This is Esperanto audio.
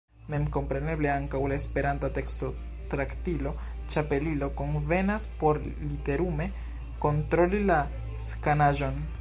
Memkompreneble ankaŭ la esperanta tekstotraktilo Ĉapelilo konvenas por literume kontroli la skanaĵon.